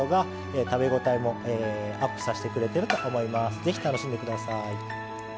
ぜひ楽しんで下さい。